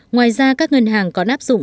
ngoài ra các ngân hàng có nắp dụng